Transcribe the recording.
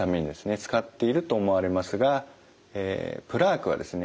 使っていると思われますがプラークはですね